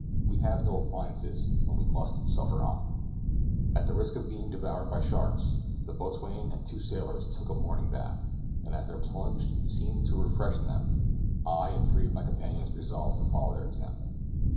we have no appliances, and we must suffer on. At the risk of being devoured by the sharks, the boatswain and two sailors took a morning bath, and as their plunge seemed to freshen them, I and three of my companions resolved to follow their example.